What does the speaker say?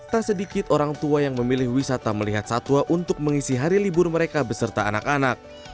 tak sedikit orang tua yang memilih wisata melihat satwa untuk mengisi hari libur mereka beserta anak anak